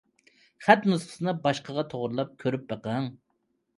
خەت نۇسخىسىنى باشقىغا توغرىلاپ كۆرۈپ بېقىڭ.